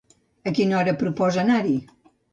A quina hora proposa anar-hi?